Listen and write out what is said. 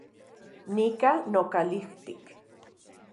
Nika nokalijtik